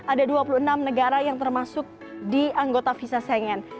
ada dua puluh enam negara yang termasuk di anggota visa sengen